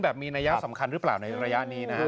มีนัยสำคัญหรือเปล่าในระยะนี้นะฮะ